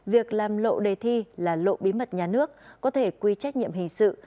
việc làm lộ đề thi là lộ bí mật nhà nước có thể quy trách nhiệm hình sự